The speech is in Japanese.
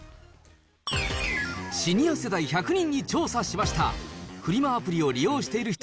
シニア世代１００人に調査しました。